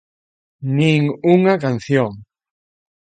Nin unha canción.